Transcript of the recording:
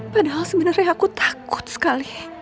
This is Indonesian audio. padahal sebenarnya aku takut sekali